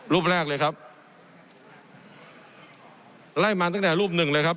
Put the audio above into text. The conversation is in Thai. รูปแรกเลยครับไล่มาตั้งแต่รูปหนึ่งเลยครับ